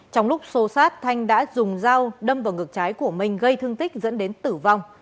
trong lúc xô sát thanh đã dùng dao đâm vào ngực trái của minh gây thương tích dẫn đến tử vong